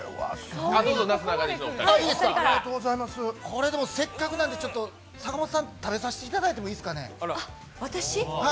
これせっかくなんで坂本さん、食べさせてもらってもいいですかね。